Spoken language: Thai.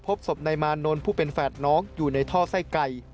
พบศพนายมานนพแฝดน้องอยู่ในท่อไส้ไก่